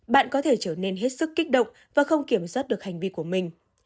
bạn có thể trở nên hết sức kích động và không kiểm soát được hành vi của mình